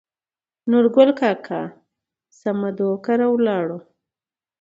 نورګل کاکا سمدو کره ولاړو.